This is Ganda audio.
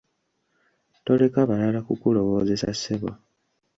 Toleka balala kukulowooleza ssebo.